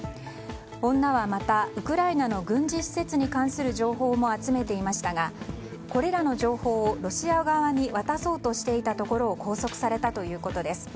女はまた、ウクライナの軍事施設に関する情報も集めていましたがこれらの情報をロシア側に渡そうとしていたところを拘束されたということです。